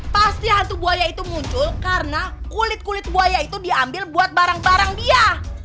pasti hantu buaya itu muncul karena kulit kulit buaya itu diambil buat barang barang dia